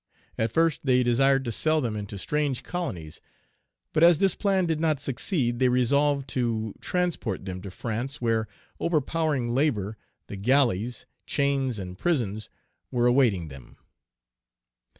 At first they desired to sell them into strange colonies; but, as this plan did not succeed, they resolved to transport them to France, where overpowering labor, the galleys, chains, and prisons, were awaiting them.